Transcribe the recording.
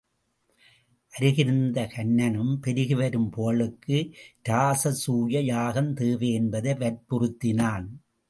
அருகிருந்த கன்னனும் பெருகி வரும் புகழுக்கு இராசசூய யாகம் தேவை என்பதை வற்புறுத்தினான்.